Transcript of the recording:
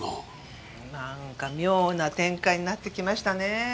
なんか妙な展開になってきましたね。